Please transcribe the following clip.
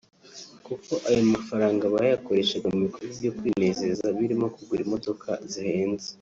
kuko ayo mafaranga bayakoreshaga mu bikorwa byo kwinezeza birimo kugura imodoka zihenze